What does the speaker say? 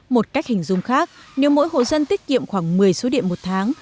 một cách hình dung khác nếu mỗi hộ dân tiết kiệm khoảng một mươi số điện một tháng